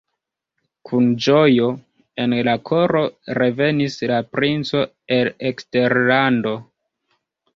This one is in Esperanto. Kun ĝojo en la koro revenis la princo el eksterlando.